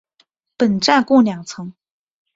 本站共两层。